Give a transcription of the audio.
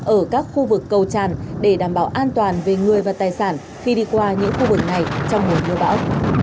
ở các khu vực cầu tràn để đảm bảo an toàn về người và tài sản khi đi qua những khu vực này trong mùa mưa bão